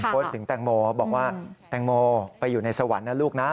โพสต์ถึงแตงโมบอกว่าแตงโมไปอยู่ในสวรรค์นะลูกนะ